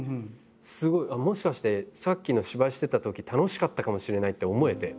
すごいもしかしてさっきの芝居してたとき楽しかったかもしれないって思えて。